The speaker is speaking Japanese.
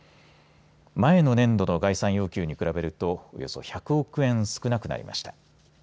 前の年度の概算要求に比べるとおよそ１００億円少なくなりました。